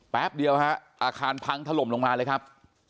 แป๊บเดียวฮะอาคารพังถล่มลงมาเลยครับ